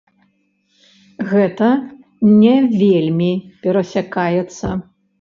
Гэта не вельмі перасякаецца.